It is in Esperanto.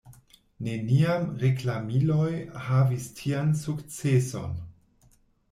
Neniam reklamiloj havis tian sukceson.